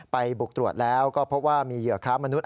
บุกตรวจแล้วก็พบว่ามีเหยื่อค้ามนุษย